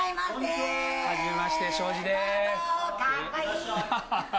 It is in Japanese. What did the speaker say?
初めまして、庄司です。